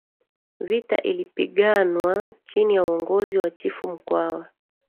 vita ilipiganwa chini ya uongozi wa chifu mkwawa